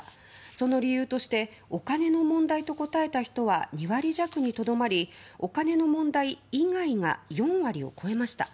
その理由としてお金の問題と答えた人は２割弱にとどまりお金の問題以外が４割を超えました。